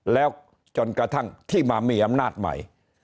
แล้วจนกระทั่งที่มามีอำนาจใหม่